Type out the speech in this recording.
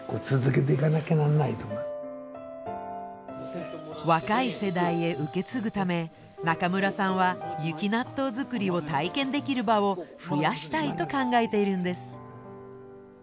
今若い世代へ受け継ぐため中村さんは雪納豆作りを体験できる場を増やしたいと考えているんです。